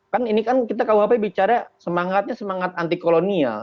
kan ini kan kita kuhp bicara semangatnya semangat anti kolonial